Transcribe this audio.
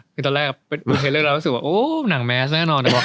ตอนแรกดูเทเตอร์หลอกเจ้าได้ว่ามันหนังแมสนะ